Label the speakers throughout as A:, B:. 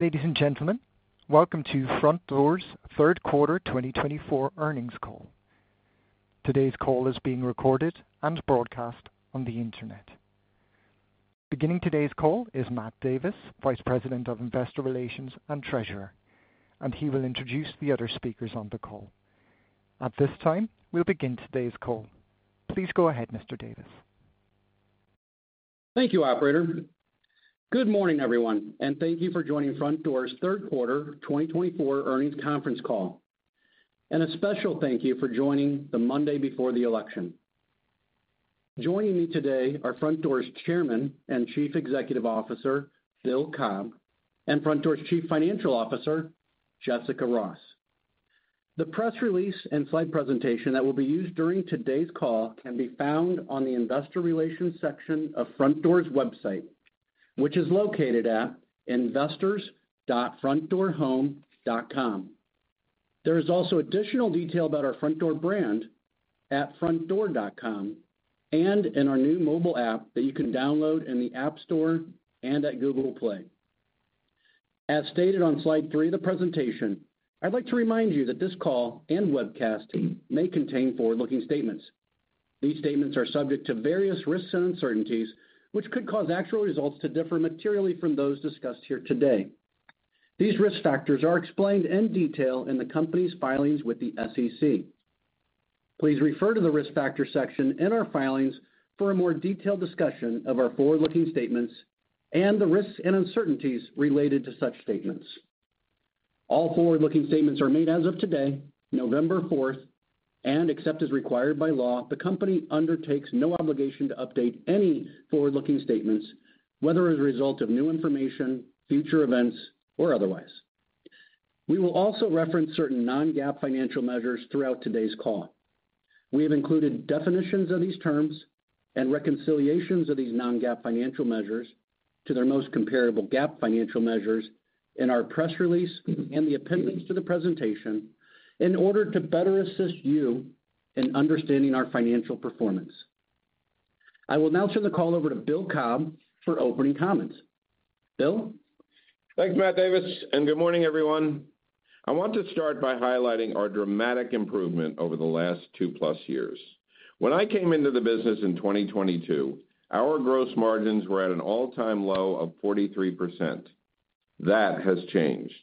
A: Ladies and gentlemen, welcome to Frontdoor, Inc third quarter 2024 earnings call. Today's call is being recorded and broadcast on the internet. Beginning today's call is Matt Davis, Vice President of Investor Relations and Treasurer, and he will introduce the other speakers on the call. At this time, we'll begin today's call. Please go ahead, Mr. Davis.
B: Thank you, Operator. Good morning, everyone, and thank you for joining Frontdoor's third quarter 2024 earnings conference call, and a special thank you for joining the Monday before the election. Joining me today are Frontdoor's Chairman and Chief Executive Officer, Bill Cobb, and Frontdoor's Chief Financial Officer, Jessica Ross. The press release and slide presentation that will be used during today's call can be found on the Investor Relations section of Frontdoor's website, which is located at investors.frontdoorhome.com. There is also additional detail about our Frontdoor brand at frontdoor.com and in our new mobile app that you can download in the App Store and at Google Play. As stated on slide three of the presentation, I'd like to remind you that this call and webcast may contain forward-looking statements. These statements are subject to various risks and uncertainties, which could cause actual results to differ materially from those discussed here today. These risk factors are explained in detail in the company's filings with the SEC. Please refer to the risk factor section in our filings for a more detailed discussion of our forward-looking statements and the risks and uncertainties related to such statements. All forward-looking statements are made as of today, November 4th, and except as required by law, the company undertakes no obligation to update any forward-looking statements, whether as a result of new information, future events, or otherwise. We will also reference certain Non-GAAP financial measures throughout today's call. We have included definitions of these terms and reconciliations of these non-GAAP financial measures to their most comparable GAAP financial measures in our press release and the appendix to the presentation in order to better assist you in understanding our financial performance. I will now turn the call over to Bill Cobb for opening comments. Bill?
C: Thanks, Matt Davis, and good morning, everyone. I want to start by highlighting our dramatic improvement over the last two-plus years. When I came into the business in 2022, our gross margins were at an all-time low of 43%. That has changed.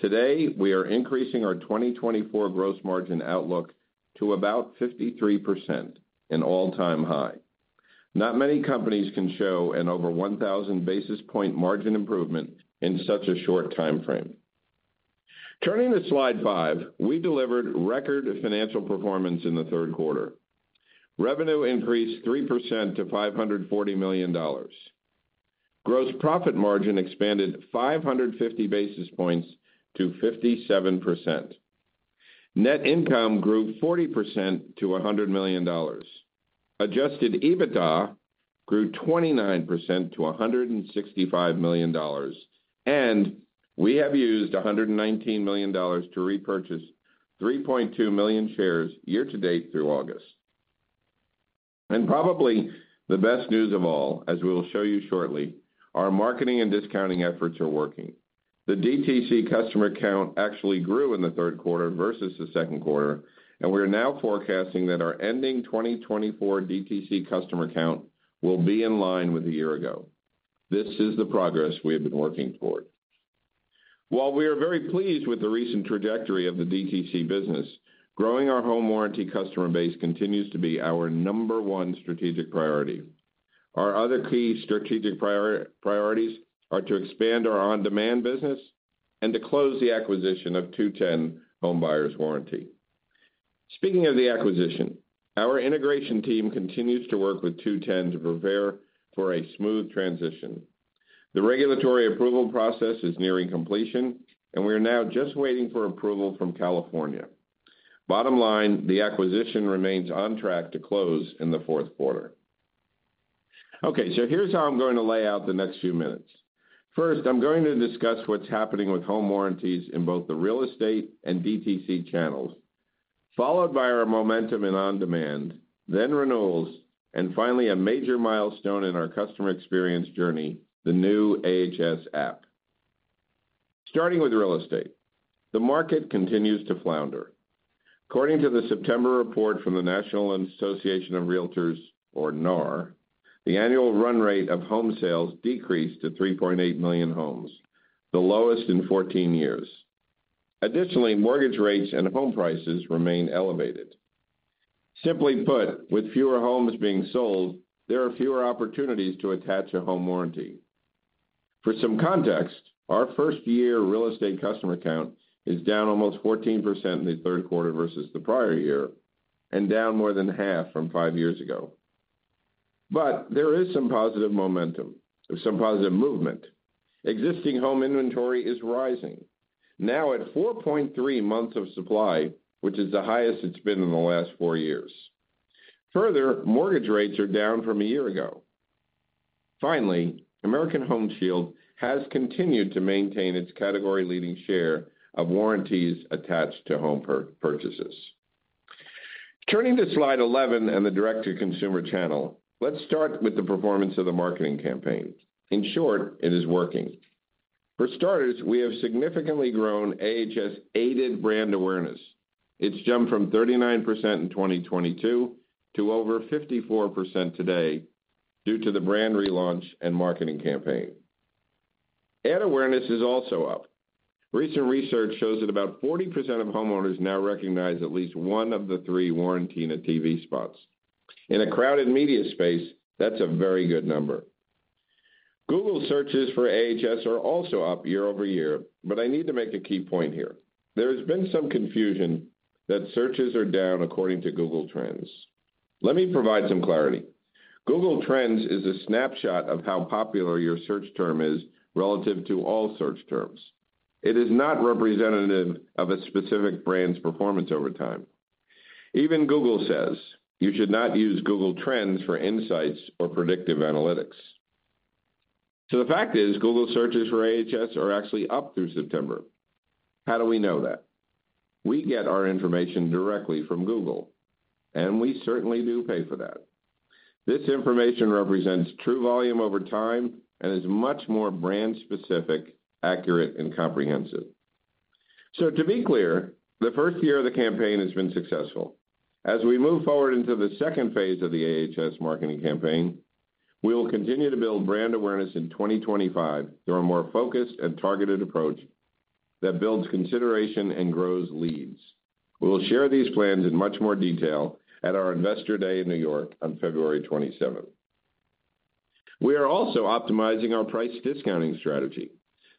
C: Today, we are increasing our 2024 gross margin outlook to about 53%, an all-time high. Not many companies can show an over 1,000 basis point margin improvement in such a short time frame. Turning to slide five, we delivered record financial performance in the third quarter. Revenue increased 3% to $540 million. Gross profit margin expanded 550 basis points to 57%. Net income grew 40% to $100 million. Adjusted EBITDA grew 29% to $165 million, and we have used $119 million to repurchase 3.2 million shares year-to-date through August. Probably the best news of all, as we will show you shortly, our marketing and discounting efforts are working. The DTC customer count actually grew in the third quarter versus the second quarter, and we are now forecasting that our ending 2024 DTC customer count will be in line with a year ago. This is the progress we have been working toward. While we are very pleased with the recent trajectory of the DTC business, growing our home warranty customer base continues to be our number one strategic priority. Our other key strategic priorities are to expand our on-demand business and to close the acquisition of 2-10 Home Buyers Warranty. Speaking of the acquisition, our integration team continues to work with 2-10 to prepare for a smooth transition. The regulatory approval process is nearing completion, and we are now just waiting for approval from California. Bottom line, the acquisition remains on track to close in the fourth quarter. Okay, so here's how I'm going to lay out the next few minutes. First, I'm going to discuss what's happening with home warranties in both the real estate and DTC channels, followed by our momentum in on-demand, then renewals, and finally a major milestone in our customer experience journey, the new AHS app. Starting with real estate, the market continues to flounder. According to the September report from the National Association of Realtors, or NAR, the annual run rate of home sales decreased to 3.8 million homes, the lowest in 14 years. Additionally, mortgage rates and home prices remain elevated. Simply put, with fewer homes being sold, there are fewer opportunities to attach a home warranty. For some context, our first-year real estate customer count is down almost 14% in the third quarter versus the prior year, and down more than half from five years ago. But there is some positive momentum, some positive movement. Existing home inventory is rising, now at 4.3 months of supply, which is the highest it's been in the last four years. Further, mortgage rates are down from a year ago. Finally, American Home Shield has continued to maintain its category-leading share of warranties attached to home purchases. Turning to slide 11 and the direct-to-consumer channel, let's start with the performance of the marketing campaign. In short, it is working. For starters, we have significantly grown AHS-aided brand awareness. It's jumped from 39% in 2022 to over 54% today due to the brand relaunch and marketing campaign. Ad awareness is also up. Recent research shows that about 40% of homeowners now recognize at least one of the three warranties in our TV spots. In a crowded media space, that's a very good number. Google searches for AHS are also up year over year, but I need to make a key point here. There has been some confusion that searches are down according to Google Trends. Let me provide some clarity. Google Trends is a snapshot of how popular your search term is relative to all search terms. It is not representative of a specific brand's performance over time. Even Google says, "You should not use Google Trends for insights or predictive analytics." So the fact is, Google searches for AHS are actually up through September. How do we know that? We get our information directly from Google, and we certainly do pay for that. This information represents true volume over time and is much more brand-specific, accurate, and comprehensive. So to be clear, the first year of the campaign has been successful. As we move forward into the second phase of the AHS marketing campaign, we will continue to build brand awareness in 2025 through a more focused and targeted approach that builds consideration and grows leads. We will share these plans in much more detail at our Investor Day in New York on February 27th. We are also optimizing our price discounting strategy.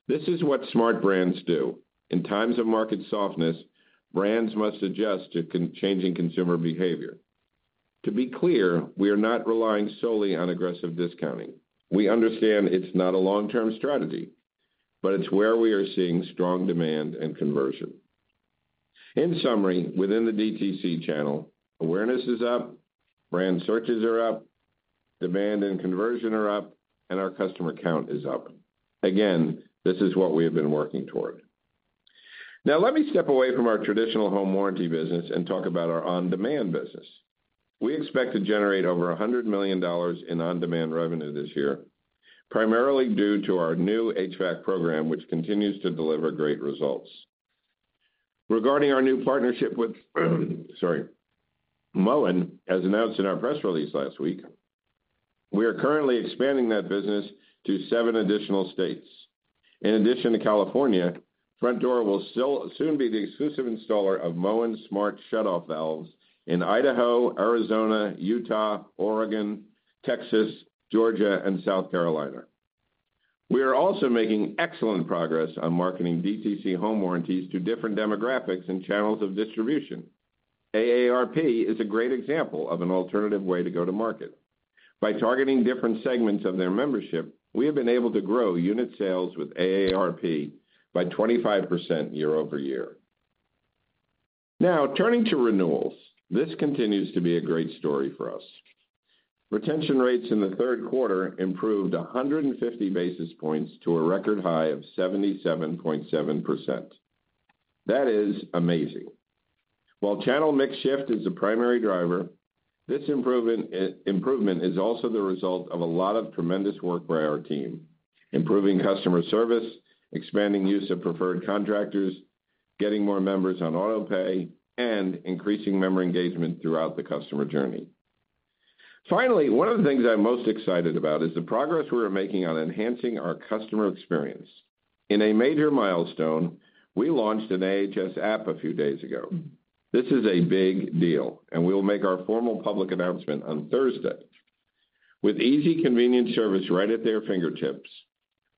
C: This is what smart brands do. In times of market softness, brands must adjust to changing consumer behavior. To be clear, we are not relying solely on aggressive discounting. We understand it's not a long-term strategy, but it's where we are seeing strong demand and conversion. In summary, within the DTC channel, awareness is up, brand searches are up, demand and conversion are up, and our customer count is up. Again, this is what we have been working toward. Now, let me step away from our traditional home warranty business and talk about our on-demand business. We expect to generate over $100 million in on-demand revenue this year, primarily due to our new HVAC program, which continues to deliver great results. Regarding our new partnership with, sorry, Moen, as announced in our press release last week, we are currently expanding that business to seven additional states. In addition to California, Frontdoor will soon be the exclusive installer of Moen Smart Shutoff valves in Idaho, Arizona, Utah, Oregon, Texas, Georgia, and South Carolina. We are also making excellent progress on marketing DTC home warranties to different demographics and channels of distribution. AARP is a great example of an alternative way to go to market. By targeting different segments of their membership, we have been able to grow unit sales with AARP by 25% year over year. Now, turning to renewals, this continues to be a great story for us. Retention rates in the third quarter improved 150 basis points to a record high of 77.7%. That is amazing. While channel mix shift is the primary driver, this improvement is also the result of a lot of tremendous work by our team: improving customer service, expanding use of preferred contractors, getting more members on autopay, and increasing member engagement throughout the customer journey. Finally, one of the things I'm most excited about is the progress we're making on enhancing our customer experience. In a major milestone, we launched an AHS app a few days ago. This is a big deal, and we will make our formal public announcement on Thursday. With easy, convenient service right at their fingertips,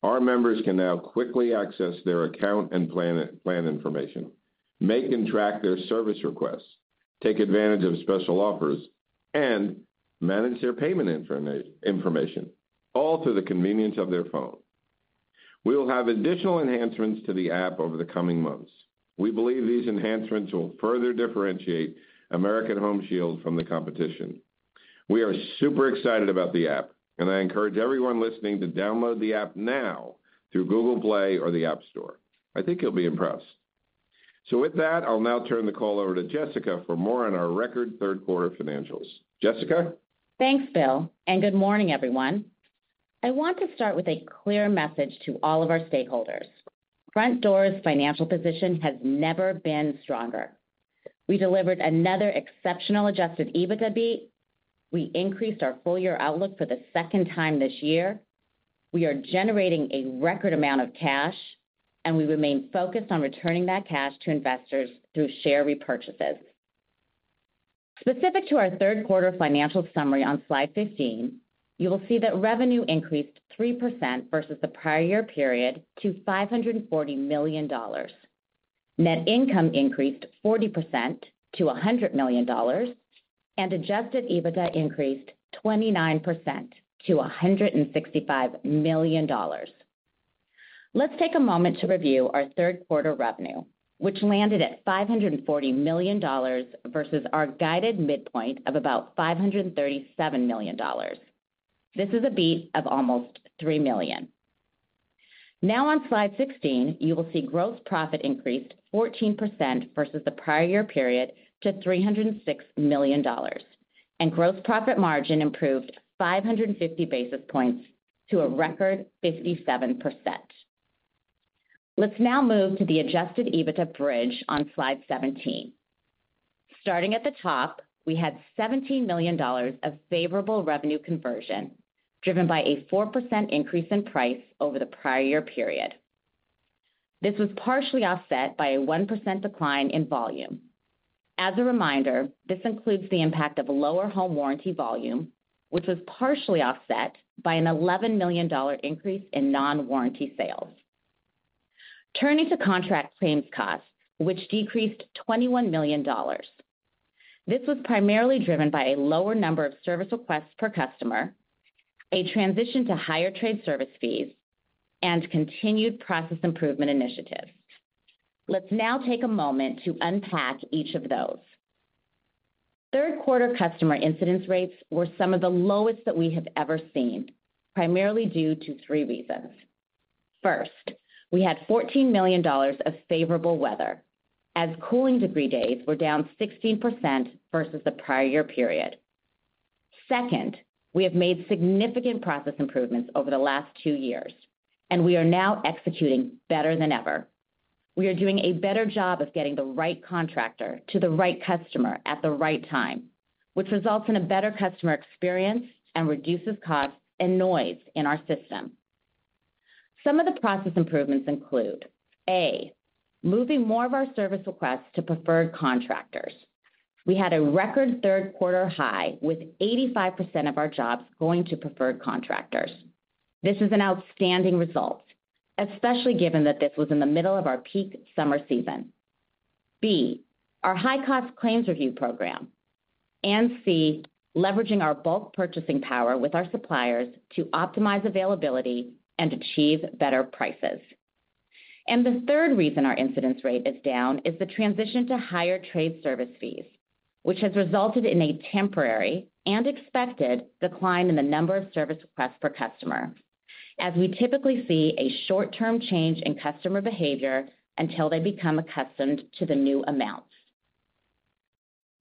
C: our members can now quickly access their account and plan information, make and track their service requests, take advantage of special offers, and manage their payment information, all through the convenience of their phone. We will have additional enhancements to the app over the coming months. We believe these enhancements will further differentiate American Home Shield from the competition. We are super excited about the app, and I encourage everyone listening to download the app now through Google Play or the App Store. I think you'll be impressed. So with that, I'll now turn the call over to Jessica for more on our record third-quarter financials. Jessica?
D: Thanks, Bill, and good morning, everyone. I want to start with a clear message to all of our stakeholders. Frontdoor's financial position has never been stronger. We delivered another exceptional Adjusted EBITDA beat. We increased our full-year outlook for the second time this year. We are generating a record amount of cash, and we remain focused on returning that cash to investors through share repurchases. Specific to our third-quarter financial summary on slide 15, you will see that revenue increased 3% versus the prior year period to $540 million. Net income increased 40% to $100 million, and Adjusted EBITDA increased 29% to $165 million. Let's take a moment to review our third-quarter revenue, which landed at $540 million versus our guided midpoint of about $537 million. This is a beat of almost $3 million. Now, on slide 16, you will see gross profit increased 14% versus the prior year period to $306 million, and gross profit margin improved 550 basis points to a record 57%. Let's now move to the Adjusted EBITDA bridge on slide 17. Starting at the top, we had $17 million of favorable revenue conversion driven by a 4% increase in price over the prior year period. This was partially offset by a 1% decline in volume. As a reminder, this includes the impact of lower home warranty volume, which was partially offset by an $11 million increase in non-warranty sales. Turning to contract claims costs, which decreased $21 million. This was primarily driven by a lower number of service requests per customer, a transition to higher trade service fees, and continued process improvement initiatives. Let's now take a moment to unpack each of those. Third-quarter customer incidence rates were some of the lowest that we have ever seen, primarily due to three reasons. First, we had $14 million of favorable weather, as cooling degree days were down 16% versus the prior year period. Second, we have made significant process improvements over the last two years, and we are now executing better than ever. We are doing a better job of getting the right contractor to the right customer at the right time, which results in a better customer experience and reduces costs and noise in our system. Some of the process improvements include: A, moving more of our service requests to preferred contractors. We had a record third-quarter high, with 85% of our jobs going to preferred contractors. This is an outstanding result, especially given that this was in the middle of our peak summer season. B, our high-cost claims review program. C, leveraging our bulk purchasing power with our suppliers to optimize availability and achieve better prices. The third reason our incidence rate is down is the transition to higher trade service fees, which has resulted in a temporary and expected decline in the number of service requests per customer, as we typically see a short-term change in customer behavior until they become accustomed to the new amounts.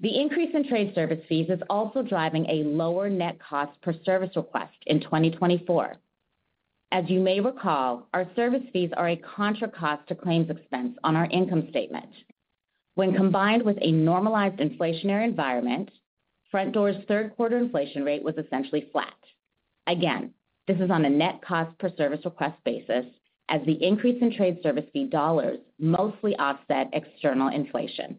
D: The increase in trade service fees is also driving a lower net cost per service request in 2024. As you may recall, our service fees are a contra cost to claims expense on our income statement. When combined with a normalized inflationary environment, Frontdoor's third-quarter inflation rate was essentially flat. Again, this is on a net cost per service request basis, as the increase in trade service fee dollars mostly offset external inflation.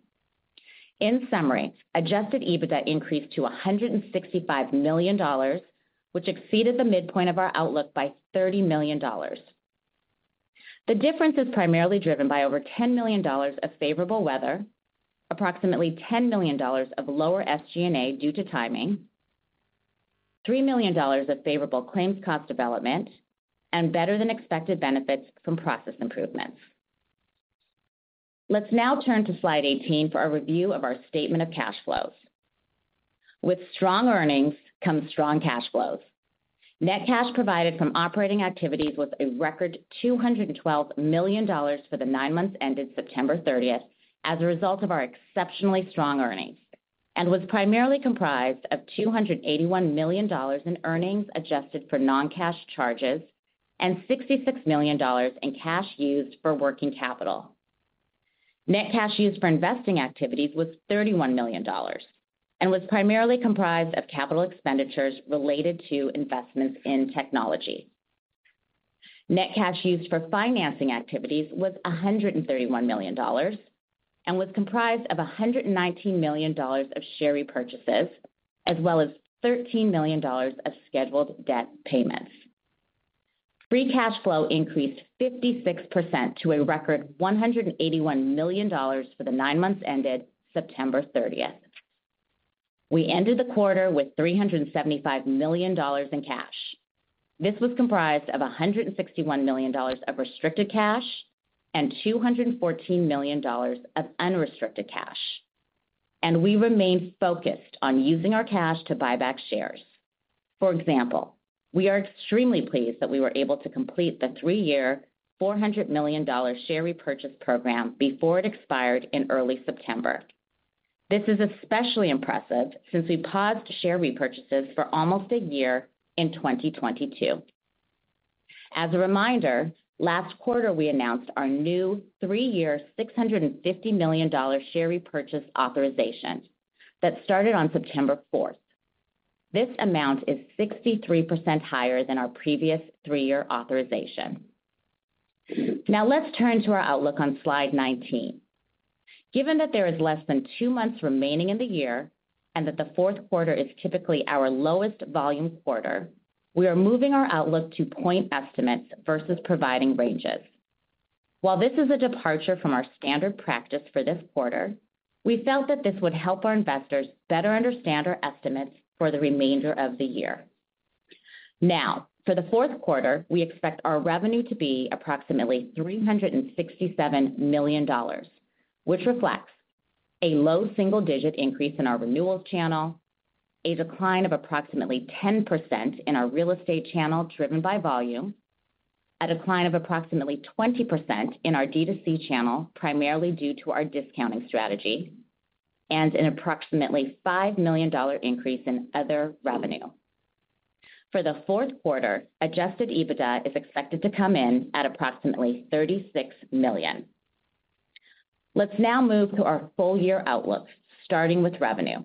D: In summary, Adjusted EBITDA increased to $165 million, which exceeded the midpoint of our outlook by $30 million. The difference is primarily driven by over $10 million of favorable weather, approximately $10 million of lower SG&A due to timing, $3 million of favorable claims cost development, and better-than-expected benefits from process improvements. Let's now turn to slide 18 for a review of our statement of cash flows. With strong earnings comes strong cash flows. Net cash provided from operating activities was a record $212 million for the nine months ended September 30th as a result of our exceptionally strong earnings and was primarily comprised of $281 million in earnings adjusted for non-cash charges and $66 million in cash used for working capital. Net cash used for investing activities was $31 million and was primarily comprised of capital expenditures related to investments in technology. Net cash used for financing activities was $131 million and was comprised of $119 million of share repurchases, as well as $13 million of scheduled debt payments. Free cash flow increased 56% to a record $181 million for the nine months ended September 30th. We ended the quarter with $375 million in cash. This was comprised of $161 million of restricted cash and $214 million of unrestricted cash, and we remained focused on using our cash to buy back shares. For example, we are extremely pleased that we were able to complete the three-year $400 million share repurchase program before it expired in early September. This is especially impressive since we paused share repurchases for almost a year in 2022. As a reminder, last quarter, we announced our new three-year $650 million share repurchase authorization that started on September 4th. This amount is 63% higher than our previous three-year authorization. Now, let's turn to our outlook on slide 19. Given that there is less than two months remaining in the year and that the fourth quarter is typically our lowest volume quarter, we are moving our outlook to point estimates versus providing ranges. While this is a departure from our standard practice for this quarter, we felt that this would help our investors better understand our estimates for the remainder of the year. Now, for the fourth quarter, we expect our revenue to be approximately $367 million, which reflects a low single-digit increase in our renewals channel, a decline of approximately 10% in our real estate channel driven by volume, a decline of approximately 20% in our DTC channel, primarily due to our discounting strategy, and an approximately $5 million increase in other revenue. For the fourth quarter, Adjusted EBITDA is expected to come in at approximately $36 million. Let's now move to our full-year outlook, starting with revenue.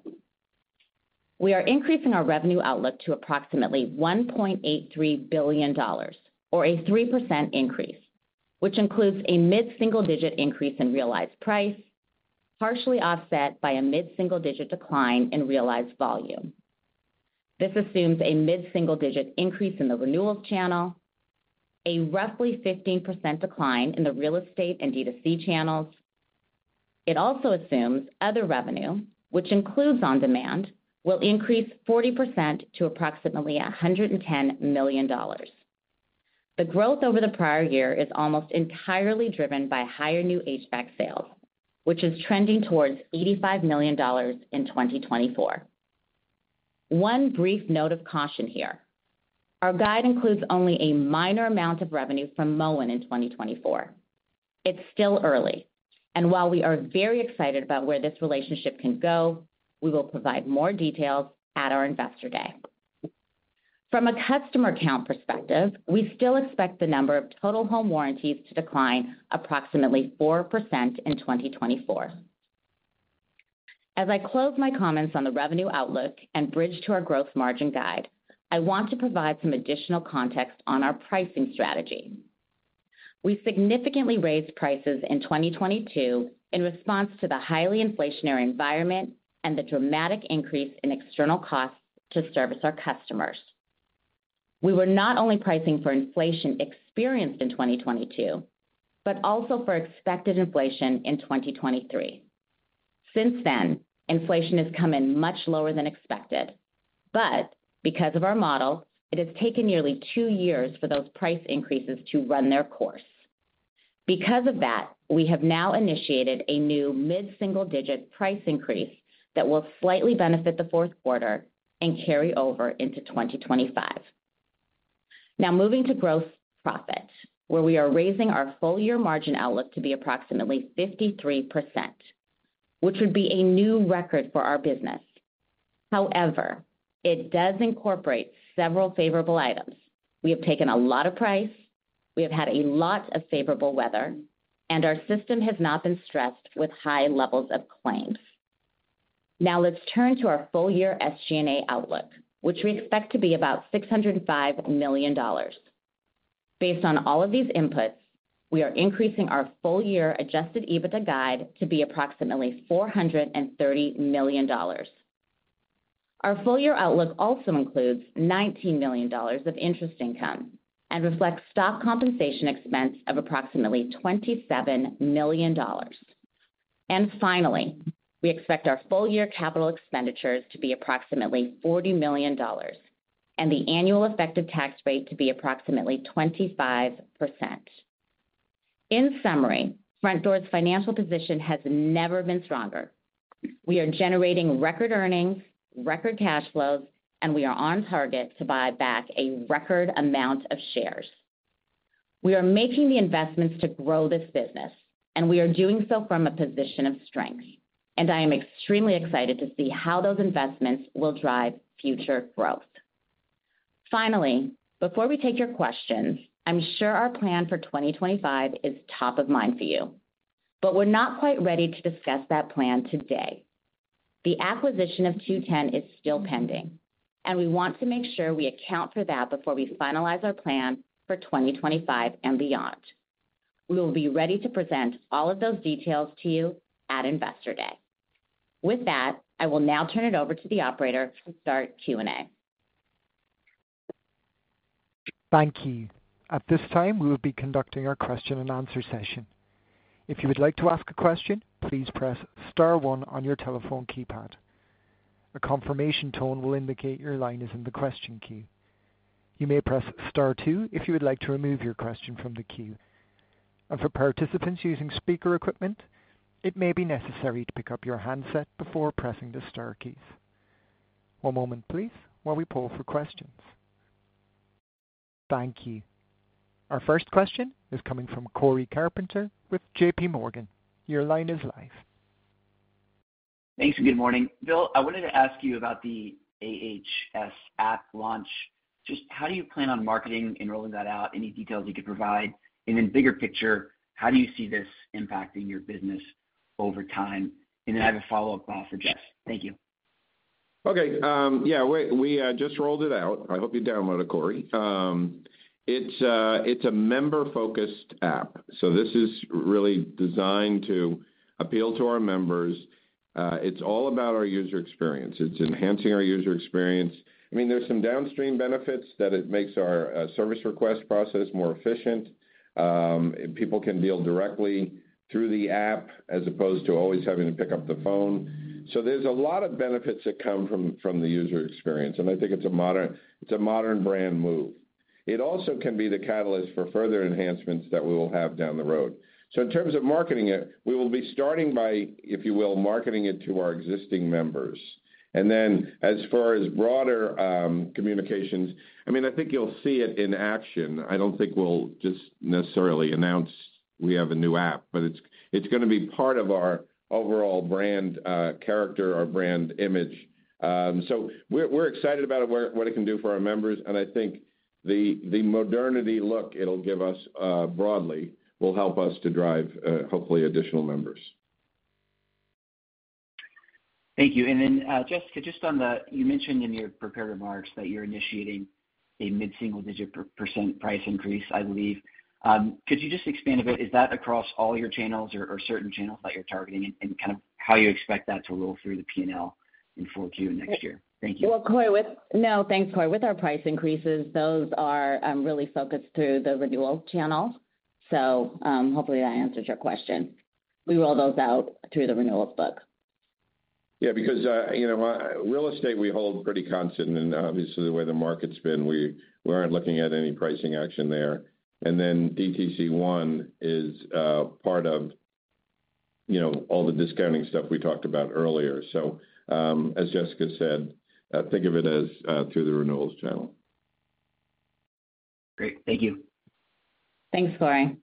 D: We are increasing our revenue outlook to approximately $1.83 billion, or a 3% increase, which includes a mid-single-digit increase in realized price, partially offset by a mid-single-digit decline in realized volume. This assumes a mid-single-digit increase in the renewals channel, a roughly 15% decline in the real estate and DTC channels. It also assumes other revenue, which includes on-demand, will increase 40% to approximately $110 million. The growth over the prior year is almost entirely driven by higher new HVAC sales, which is trending towards $85 million in 2024. One brief note of caution here. Our guide includes only a minor amount of revenue from Moen in 2024. It's still early, and while we are very excited about where this relationship can go, we will provide more details at our investor day. From a customer account perspective, we still expect the number of total home warranties to decline approximately 4% in 2024. As I close my comments on the revenue outlook and bridge to our gross margin guide, I want to provide some additional context on our pricing strategy. We significantly raised prices in 2022 in response to the highly inflationary environment and the dramatic increase in external costs to service our customers. We were not only pricing for inflation experienced in 2022, but also for expected inflation in 2023. Since then, inflation has come in much lower than expected, but because of our model, it has taken nearly two years for those price increases to run their course. Because of that, we have now initiated a new mid-single-digit price increase that will slightly benefit the fourth quarter and carry over into 2025. Now, moving to gross profit, where we are raising our full-year margin outlook to be approximately 53%, which would be a new record for our business. However, it does incorporate several favorable items. We have taken a lot of price, we have had a lot of favorable weather, and our system has not been stressed with high levels of claims. Now, let's turn to our full-year SG&A outlook, which we expect to be about $605 million. Based on all of these inputs, we are increasing our full-year Adjusted EBITDA guide to be approximately $430 million. Our full-year outlook also includes $19 million of interest income and reflects stock compensation expense of approximately $27 million. And finally, we expect our full-year capital expenditures to be approximately $40 million and the annual effective tax rate to be approximately 25%. In summary, Frontdoor's financial position has never been stronger. We are generating record earnings, record cash flows, and we are on target to buy back a record amount of shares. We are making the investments to grow this business, and we are doing so from a position of strength. And I am extremely excited to see how those investments will drive future growth. Finally, before we take your questions, I'm sure our plan for 2025 is top of mind for you, but we're not quite ready to discuss that plan today. The acquisition of 2-10 is still pending, and we want to make sure we account for that before we finalize our plan for 2025 and beyond. We will be ready to present all of those details to you at Investor Day. With that, I will now turn it over to the operator to start Q&A.
A: Thank you. At this time, we will be conducting our question and answer session. If you would like to ask a question, please press Star 1 on your telephone keypad. A confirmation tone will indicate your line is in the question queue. You may press Star 2 if you would like to remove your question from the queue. And for participants using speaker equipment, it may be necessary to pick up your handset before pressing the Star keys. One moment, please, while we pull for questions. Thank you. Our first question is coming from Cory Carpenter with J.P. Morgan. Your line is live.
E: Thanks and good morning. Bill, I wanted to ask you about the AHS app launch. Just how do you plan on marketing, rolling that out, any details you could provide? And then bigger picture, how do you see this impacting your business over time? And then I have a follow-up for Jess.
C: Thank you. Okay. Yeah, we just rolled it out. I hope you download it, Cory. It's a member-focused app. So this is really designed to appeal to our members. It's all about our user experience. It's enhancing our user experience. I mean, there's some downstream benefits that it makes our service request process more efficient. People can deal directly through the app as opposed to always having to pick up the phone. So there's a lot of benefits that come from the user experience, and I think it's a modern brand move. It also can be the catalyst for further enhancements that we will have down the road. So in terms of marketing it, we will be starting by, if you will, marketing it to our existing members. Then as far as broader communications, I mean, I think you'll see it in action. I don't think we'll just necessarily announce we have a new app, but it's going to be part of our overall brand character, our brand image. So we're excited about what it can do for our members. And I think the modernity look it'll give us broadly will help us to drive hopefully additional members.
E: Thank you. And then Jessica, just on the, you mentioned in your prepared remarks that you're initiating a mid-single-digit % price increase, I believe. Could you just expand a bit? Is that across all your channels or certain channels that you're targeting and kind of how you expect that to roll through the P&L in four Q next year? Thank you.
D: Well, Cory, thanks, Cory. With our price increases, those are really focused through the renewal channels. So hopefully that answers your question. We roll those out through the renewals book.
C: Yeah, because real estate we hold pretty constant. And obviously, the way the market's been, we aren't looking at any pricing action there. And then DTC is part of all the discounting stuff we talked about earlier. So as Jessica said, think of it as through the renewals channel.
E: Great. Thank you.
D: Thanks, Cory.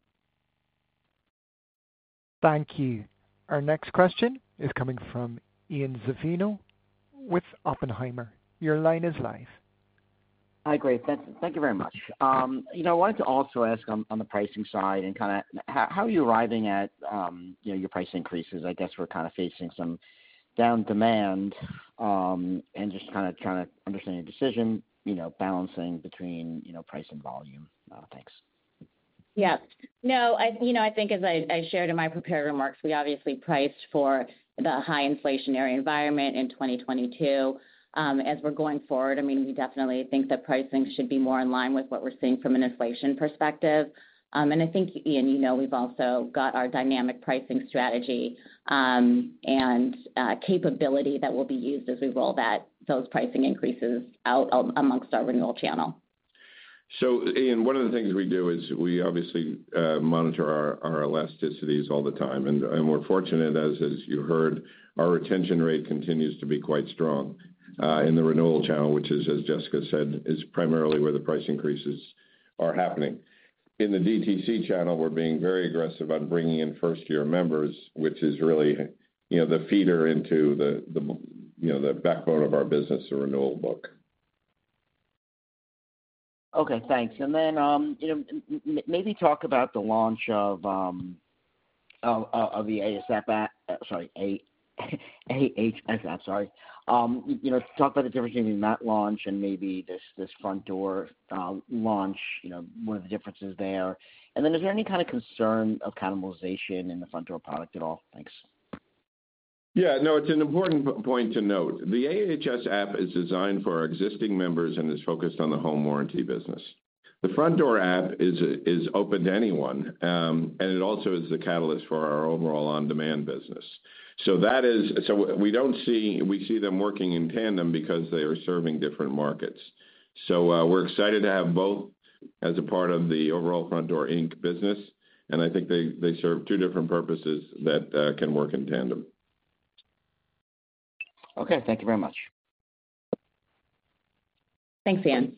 A: Thank you. Our next question is coming from Ian Zaffino with Oppenheimer. Your line is live.
F: Hi, Grace. Thank you very much. I wanted to also ask on the pricing side and kind of how are you arriving at your price increases? I guess we're kind of facing some down demand and just kind of trying to understand your decision, balancing between price and volume. Thanks.
D: Yeah. No, I think as I shared in my prepared remarks, we obviously priced for the high inflationary environment in 2022. As we're going forward, I mean, we definitely think that pricing should be more in line with what we're seeing from an inflation perspective, and I think, Ian, you know we've also got our dynamic pricing strategy and capability that will be used as we roll those pricing increases out amongst our renewal channel.
C: So Ian, one of the things we do is we obviously monitor our elasticities all the time, and we're fortunate, as you heard, our retention rate continues to be quite strong in the renewal channel, which is, as Jessica said, is primarily where the price increases are happening. In the DTC channel, we're being very aggressive on bringing in first-year members, which is really the feeder into the backbone of our business, the renewal book.
F: Okay. Thanks. And then maybe talk about the launch of the AHS app, sorry. Talk about the difference between that launch and maybe this Frontdoor launch, what are the differences there? And then is there any kind of concern of cannibalization in the Frontdoor product at all? Thanks.
C: Yeah. No, it's an important point to note. The AHS app is designed for our existing members and is focused on the home warranty business. The Frontdoor app is open to anyone, and it also is the catalyst for our overall on-demand business. So we don't see we see them working in tandem because they are serving different markets. So we're excited to have both as a part of the overall Frontdoor, Inc.. business, and I think they serve two different purposes that can work in tandem.
F: Okay. Thank you very much.
D: Thanks, Ian.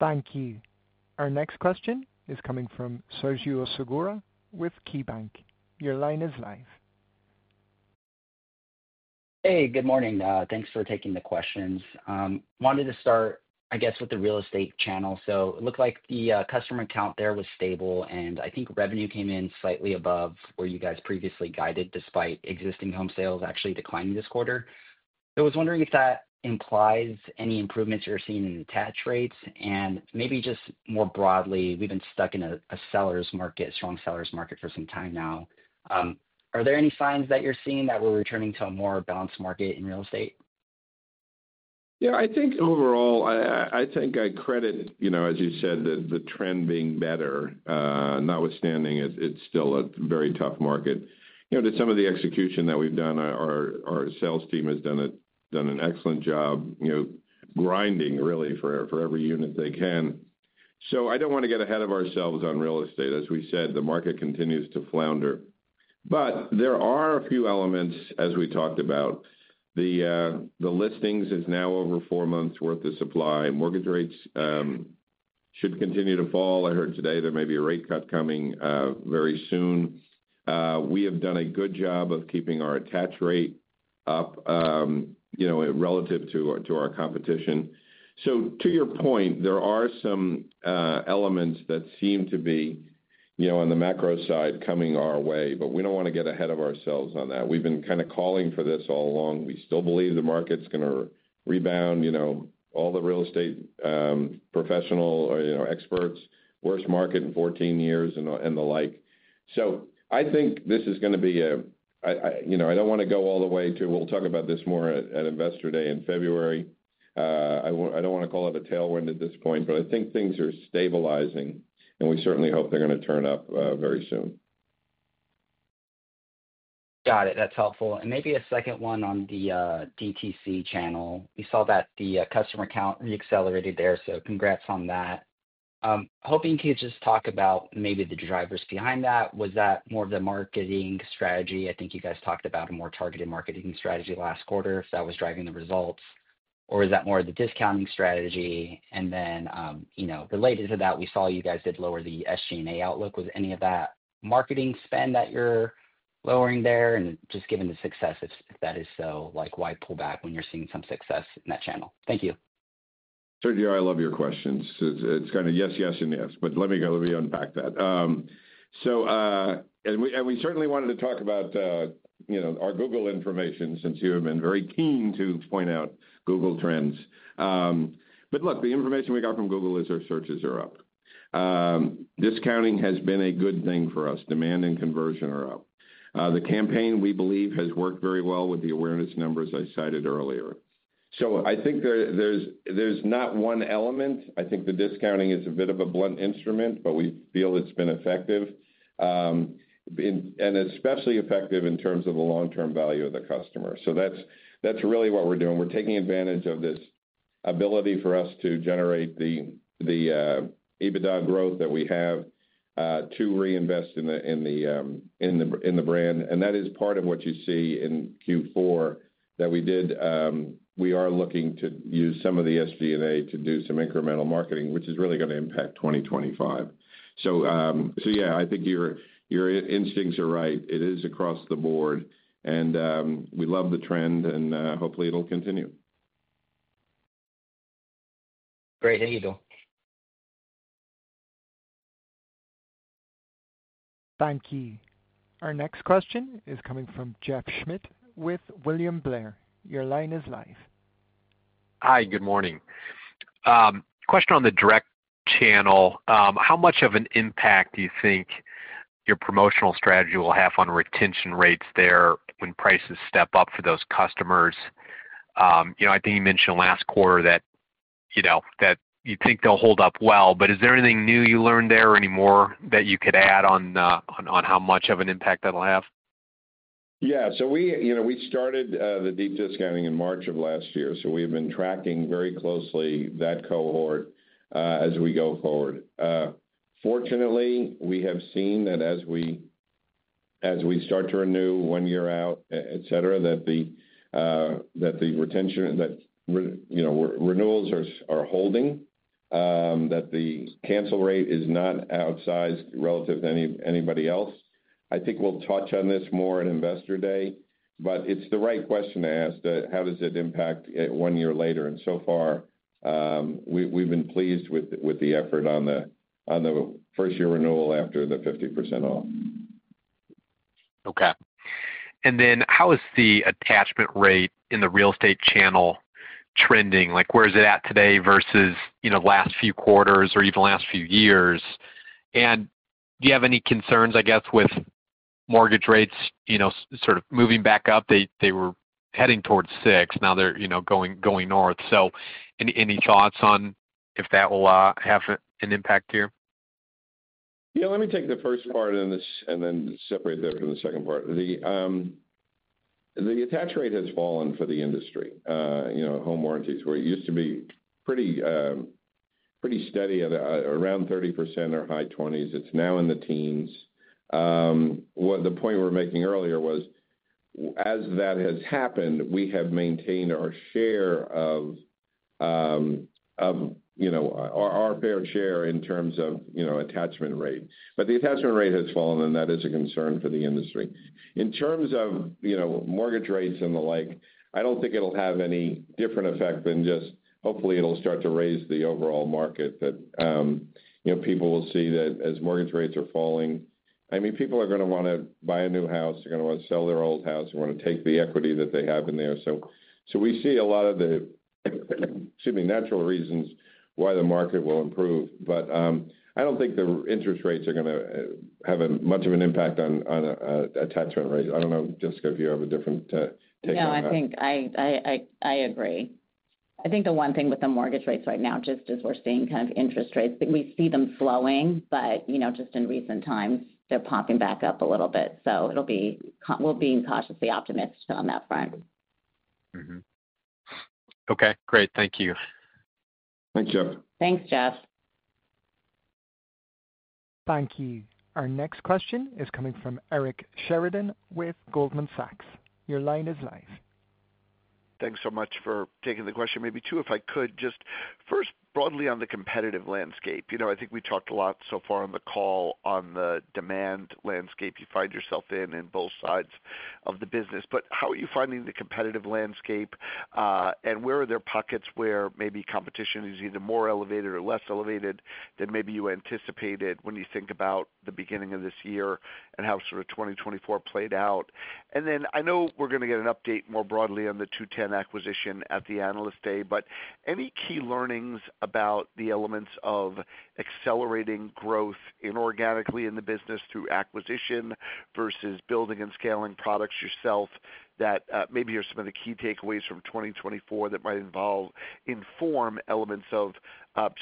A: Thank you. Our next question is coming from Sergio Segura with KeyBanc. Your line is live.
G: Hey, good morning. Thanks for taking the questions. Wanted to start, I guess, with the real estate channel. So it looked like the customer count there was stable, and I think revenue came in slightly above where you guys previously guided despite existing home sales actually declining this quarter. I was wondering if that implies any improvements you're seeing in attach rates. And maybe just more broadly, we've been stuck in a seller's market, strong seller's market for some time now. Are there any signs that you're seeing that we're returning to a more balanced market in real estate?
C: Yeah, I think overall, I think I credit, as you said, the trend being better, notwithstanding it's still a very tough market. To some of the execution that we've done, our sales team has done an excellent job grinding really for every unit they can. So I don't want to get ahead of ourselves on real estate. As we said, the market continues to flounder. But there are a few elements, as we talked about. The listings is now over four months' worth of supply. Mortgage rates should continue to fall. I heard today there may be a rate cut coming very soon. We have done a good job of keeping our attach rate up relative to our competition. So to your point, there are some elements that seem to be on the macro side coming our way, but we don't want to get ahead of ourselves on that. We've been kind of calling for this all along. We still believe the market's going to rebound. All the real estate professionals or experts, worst market in 14 years and the like. So I think this is going to be a, I don't want to go all the way. We'll talk about this more at Investor Day in February. I don't want to call it a tailwind at this point, but I think things are stabilizing, and we certainly hope they're going to turn up very soon.
G: Got it. That's helpful, and maybe a second one on the DTC channel. We saw that the customer acquisition re-accelerated there, so congrats on that. Hoping to just talk about maybe the drivers behind that. Was that more of the marketing strategy? I think you guys talked about a more targeted marketing strategy last quarter if that was driving the results. Or is that more of the discounting strategy? Then related to that, we saw you guys did lower the SG&A outlook. Was any of that marketing spend that you're lowering there? And just given the success, if that is so, why pull back when you're seeing some success in that channel? Thank you.
C: Certainly, I love your questions. It's kind of yes, yes, and yes, but let me unpack that. We certainly wanted to talk about our Google information since you have been very keen to point out Google Trends. But look, the information we got from Google is our searches are up. Discounting has been a good thing for us. Demand and conversion are up. The campaign we believe has worked very well with the awareness numbers I cited earlier. So I think there's not one element. I think the discounting is a bit of a blunt instrument, but we feel it's been effective.
D: And especially effective in terms of the long-term value of the customer. So that's really what we're doing. We're taking advantage of this ability for us to generate the EBITDA growth that we have to reinvest in the brand. And that is part of what you see in Q4 that we did. We are looking to use some of the SG&A to do some incremental marketing, which is really going to impact 2025. So yeah, I think your instincts are right. It is across the board. And we love the trend, and hopefully it'll continue.
G: Great. Thank you, Bill.
A: Thank you. Our next question is coming from Jeff Schmitt with William Blair. Your line is live.
H: Hi, good morning. Question on the direct channel. How much of an impact do you think your promotional strategy will have on retention rates there when prices step up for those customers? I think you mentioned last quarter that you think they'll hold up well, but is there anything new you learned there or any more that you could add on how much of an impact that'll have?
C: Yeah. So we started the deep discounting in March of last year. So we have been tracking very closely that cohort as we go forward. Fortunately, we have seen that as we start to renew one year out, etc., that the retention, that renewals are holding, that the cancel rate is not outsized relative to anybody else. I think we'll touch on this more at Investor Day, but it's the right question to ask that how does it impact one year later? And so far, we've been pleased with the effort on the first-year renewal after the 50% off.
H: Okay. And then how is the attachment rate in the real estate channel trending? Where is it at today versus last few quarters or even last few years? Do you have any concerns, I guess, with mortgage rates sort of moving back up? They were heading towards 6%. Now they're going north. So any thoughts on if that will have an impact here?
C: Yeah. Let me take the first part and then separate that from the second part. The attach rate has fallen for the industry. Home warranties were used to be pretty steady, around 30% or high 20s. It's now in the teens. The point we were making earlier was, as that has happened, we have maintained our share of our fair share in terms of attachment rate. But the attachment rate has fallen, and that is a concern for the industry. In terms of mortgage rates and the like, I don't think it'll have any different effect than just hopefully it'll start to raise the overall market that people will see that as mortgage rates are falling. I mean, people are going to want to buy a new house. They're going to want to sell their old house. They want to take the equity that they have in there. So we see a lot of the, excuse me, natural reasons why the market will improve. But I don't think the interest rates are going to have much of an impact on attachment rates. I don't know, Jessica, if you have a different take on that.
D: No, I think I agree.I think the one thing with the mortgage rates right now, just as we're seeing kind of interest rates, we see them slowing, but just in recent times, they're popping back up a little bit. So we'll be cautiously optimistic on that front.
H: Okay. Great. Thank you.
D: Thanks, Jeff.
A: Thank you. Our next question is coming from Eric Sheridan with Goldman Sachs. Your line is live.
I: Thanks so much for taking the question. Maybe too, if I could, just first broadly on the competitive landscape. I think we talked a lot so far on the call on the demand landscape you find yourself in and both sides of the business. But how are you finding the competitive landscape? And where are there pockets where maybe competition is either more elevated or less elevated than maybe you anticipated when you think about the beginning of this year and how sort of 2024 played out? And then I know we're going to get an update more broadly on the 2-10 acquisition at the analyst day, but any key learnings about the elements of accelerating growth inorganically in the business through acquisition versus building and scaling products yourself that maybe are some of the key takeaways from 2024 that might involve inform elements of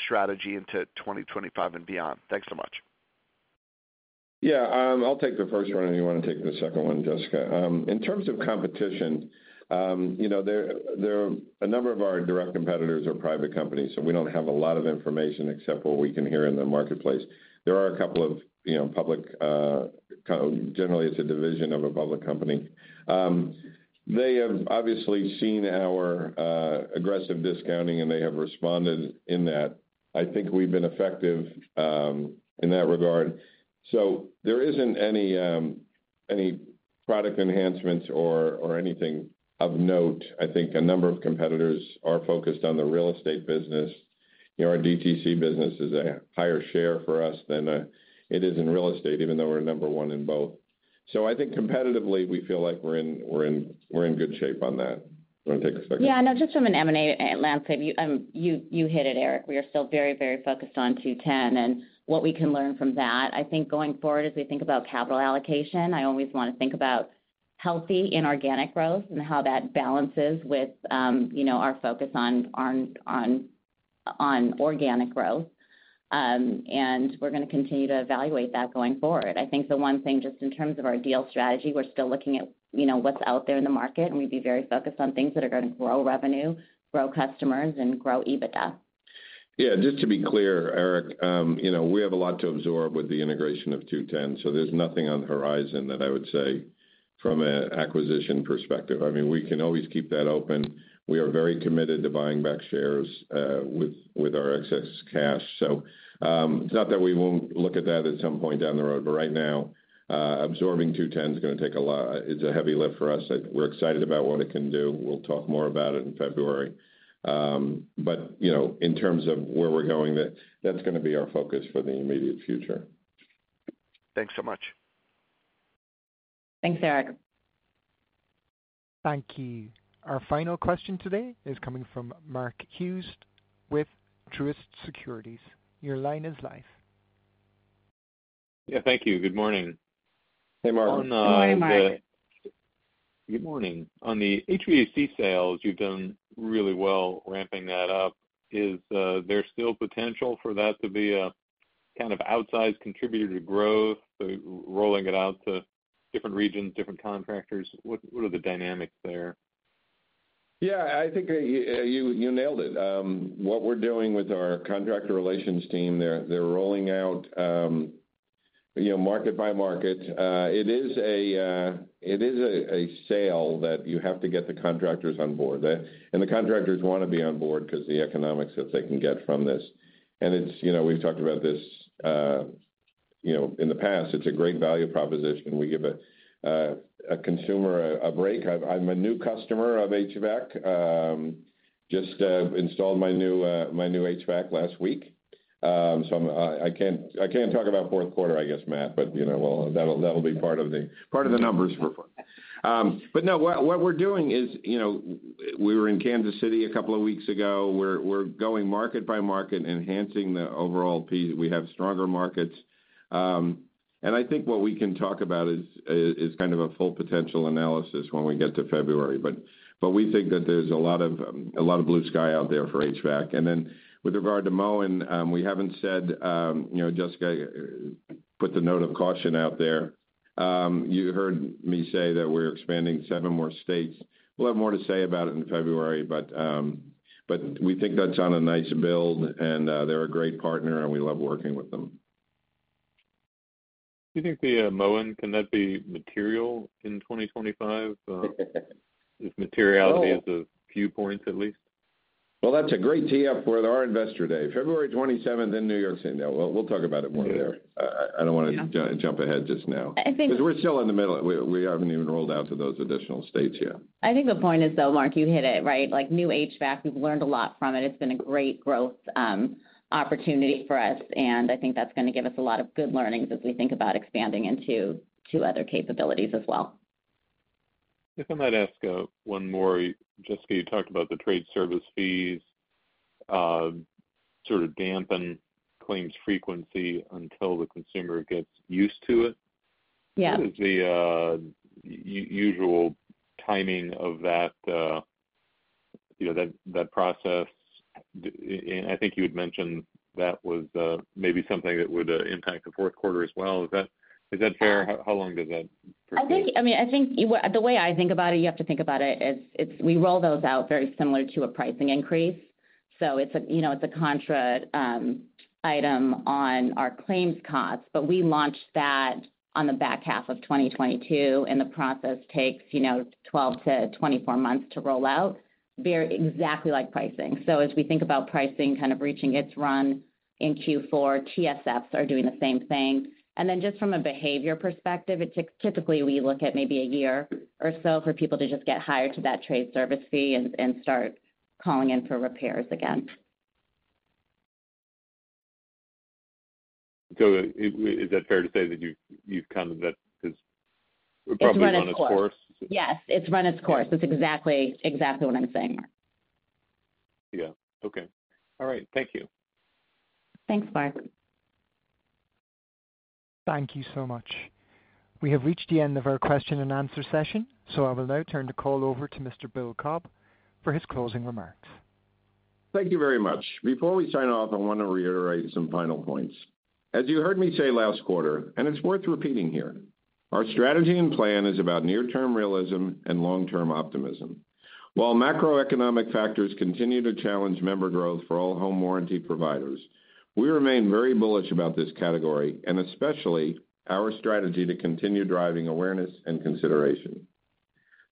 I: strategy into 2025 and beyond? Thanks so much.
C: Yeah. I'll take the first one, and you want to take the second one, Jessica. In terms of competition, there are a number of our direct competitors are private companies, so we don't have a lot of information except for what we can hear in the marketplace. There are a couple of public generally. It's a division of a public company. They have obviously seen our aggressive discounting, and they have responded in that. I think we've been effective in that regard. So there isn't any product enhancements or anything of note. I think a number of competitors are focused on the real estate business. Our DTC business is a higher share for us than it is in real estate, even though we're number one in both. So I think competitively, we feel like we're in good shape on that. Do you want to take a second?
D: Yeah. No, just from an M&A landscape, you hit it, Eric. We are still very, very focused on 2-10 and what we can learn from that. I think going forward, as we think about capital allocation, I always want to think about healthy inorganic growth and how that balances with our focus on organic growth. We're going to continue to evaluate that going forward. I think the one thing just in terms of our deal strategy, we're still looking at what's out there in the market, and we'd be very focused on things that are going to grow revenue, grow customers, and grow EBITDA.
C: Yeah. Just to be clear, Eric, we have a lot to absorb with the integration of 2-10. So there's nothing on the horizon that I would say from an acquisition perspective. I mean, we can always keep that open. We are very committed to buying back shares with our excess cash. So it's not that we won't look at that at some point down the road, but right now, absorbing 2-10 is going to take a lot. It's a heavy lift for us. We're excited about what it can do. We'll talk more about it in February. But in terms of where we're going, that's going to be our focus for the immediate future.
I: Thanks so much.
D: Thanks, Eric.
A: Thank you. Our final question today is coming from Mark Hughes with Truist Securities. Your line is live.
J: Yeah. Thank you. Good morning.
C: Hey, Mark.
D: Hi, Mike.
J: Good morning. On the HVAC sales, you've done really well ramping that up. Is there still potential for that to be a kind of outsized contributor to growth, rolling it out to different regions, different contractors? What are the dynamics there?
C: Yeah. I think you nailed it. What we're doing with our contractor relations team, they're rolling out market by market. It is a sale that you have to get the contractors on board. And the contractors want to be on board because of the economics that they can get from this. And we've talked about this in the past. It's a great value proposition. We give a consumer a break. I'm a new customer of HVAC. Just installed my new HVAC last week. So I can't talk about fourth quarter, I guess, Matt, but that'll be part of the numbers for fun. But no, what we're doing is we were in Kansas City a couple of weeks ago. We're going market by market, enhancing the overall piece. We have stronger markets. And I think what we can talk about is kind of a full potential analysis when we get to February. But we think that there's a lot of blue sky out there for HVAC. And then with regard to Moen, we haven't said. Jessica put the note of caution out there. You heard me say that we're expanding seven more states. We'll have more to say about it in February, but we think that's on a nice build, and they're a great partner, and we love working with them.
J: Do you think the Moen, can that be material in 2025? If materiality is a few points at least?
C: Well, that's a great tee-up for our investor day. February 27th in New York City. We'll talk about it more there. I don't want to jump ahead just now. Because we're still in the middle. We haven't even rolled out to those additional states yet.
D: I think the point is though, Mark, you hit it, right? New HVAC, we've learned a lot from it. It's been a great growth opportunity for us. And I think that's going to give us a lot of good learnings as we think about expanding into other capabilities as well.
J: If I might ask one more, Jessica, you talked about the trade service fees sort of dampen claims frequency until the consumer gets used to it. What is the usual timing of that process? And I think you had mentioned that was maybe something that would impact the fourth quarter as well. Is that fair? How long does that pertain?
D: I mean, I think the way I think about it, you have to think about it as we roll those out very similar to a pricing increase. So it's a contra item on our claims costs, but we launched that on the back half of 2022, and the process takes 12-24 months to roll out, exactly like pricing. So as we think about pricing kind of reaching its run in Q4, TSFs are doing the same thing. And then just from a behavior perspective, typically we look at maybe a year or so for people to just get hired to that trade service fee and start calling in for repairs again.
J: So is that fair to say that you've kind of that because it's run its course.
D: Yes. It's run its course. That's exactly what I'm saying.
J: Yeah. Okay. All right. Thank you.
D: Thanks, Mark.
A: Thank you so much. We have reached the end of our question and answer session, so I will now turn the call over to Mr. Bill Cobb for his closing remarks.
C: Thank you very much. Before we sign off, I want to reiterate some final points. As you heard me say last quarter, and it's worth repeating here, our strategy and plan is about near-term realism and long-term optimism. While macroeconomic factors continue to challenge member growth for all home warranty providers, we remain very bullish about this category and especially our strategy to continue driving awareness and consideration.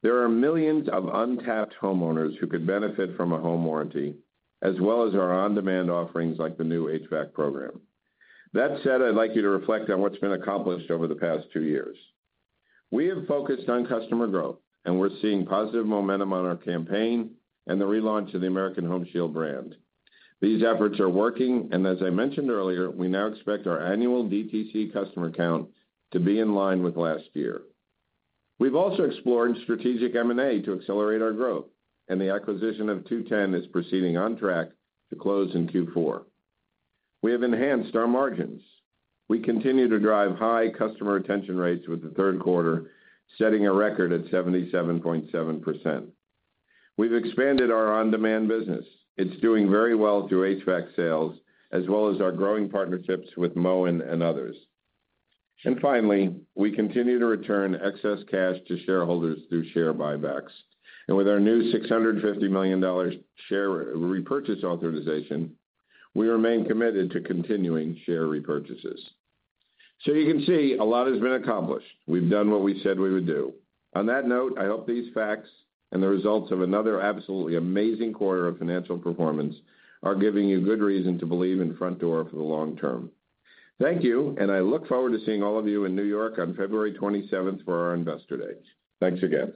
C: There are millions of untapped homeowners who could benefit from a home warranty as well as our on-demand offerings like the new HVAC program. That said, I'd like you to reflect on what's been accomplished over the past two years. We have focused on customer growth, and we're seeing positive momentum on our campaign and the relaunch of the American Home Shield brand. These efforts are working, and as I mentioned earlier, we now expect our annual DTC customer count to be in line with last year. We've also explored strategic M&A to accelerate our growth, and the acquisition of 2-10 is proceeding on track to close in Q4. We have enhanced our margins. We continue to drive high customer retention rates with the third quarter, setting a record at 77.7%. We've expanded our on-demand business. It's doing very well through HVAC sales as well as our growing partnerships with Moen and others. And finally, we continue to return excess cash to shareholders through share buybacks. And with our new $650 million share repurchase authorization, we remain committed to continuing share repurchases. So you can see a lot has been accomplished. We've done what we said we would do. On that note, I hope these facts and the results of another absolutely amazing quarter of financial performance are giving you good reason to believe in Frontdoor for the long term. Thank you, and I look forward to seeing all of you in New York on February 27th for our Investor Day. Thanks again.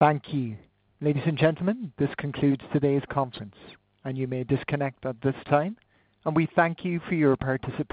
A: Thank you. Ladies and gentlemen, this concludes today's conference, and you may disconnect at this time. We thank you for your participation.